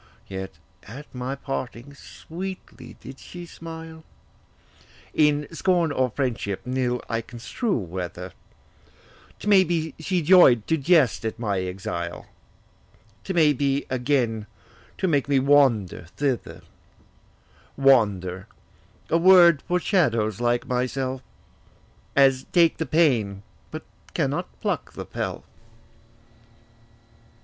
Yet at my parting sweetly did she smile, In scorn or friendship, nill I construe whether: 'T may be, she joy'd to jest at my exile, 'T may be, again to make me wander thither: 'Wander,' a word for shadows like myself, As take the pain, but cannot pluck the pelf.